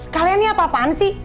kalian ini apa apaan sih